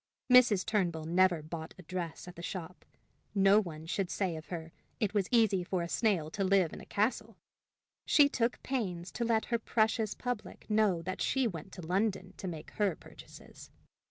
Mrs. Turnbull never bought a dress at the shop. No one should say of her, it was easy for a snail to live in a castle! She took pains to let her precious public know that she went to London to make her purchases.